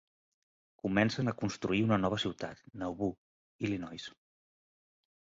Comencen a construir una nova ciutat, Nauvoo, Illinois.